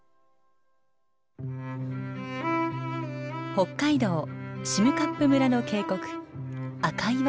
北海道占冠村の渓谷赤岩青巌峡です。